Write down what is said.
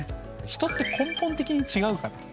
人って根本的に違うから。